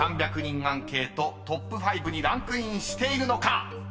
アンケートトップ５にランクインしているのか？］